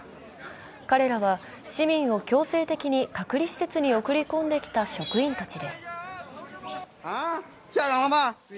彼らは市民を強制的に隔離施設に送り込んできた職員たちです。